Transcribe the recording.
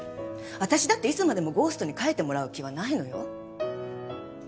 私だっていつまでもゴーストに書いてもらう気はないのよ。